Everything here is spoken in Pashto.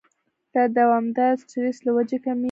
دا د دوامداره سټرېس له وجې کميږي